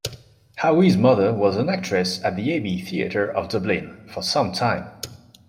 Howe's mother was an actress at the Abbey Theatre of Dublin for some time.